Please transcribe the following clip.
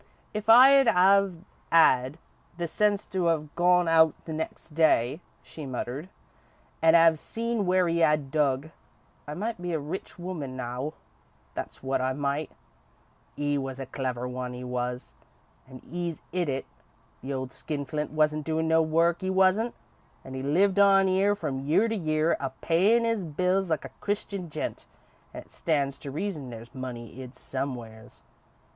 "If I'd 'ave 'ad the sense to 'ave gone out there the next day," she muttered, "and 'ave seen where 'e 'ad dug, I might be a rich woman now, that's wot I might. 'E was a clever one, 'e was, and 'e's 'id it. The old skinflint wasn't doin' no work, 'e wasn't, and 'e lived on 'ere from year to year, a payin' 'is bills like a Christian gent, and it stands to reason there's money 'id somewheres.